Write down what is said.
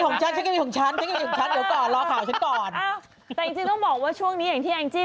วันนี้ฉันอยู่ภูมิสิบห้าไงวันนี้